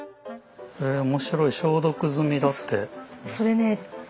え面白い「消毒済」だって。